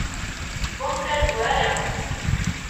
Ur ttargu ara.